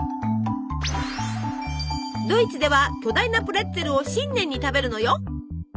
ドイツでは巨大なプレッツェルを新年に食べるのよ！